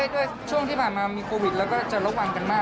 ช่วงที่ผ่านมามีโควิดแล้วก็จะระวังกันมาก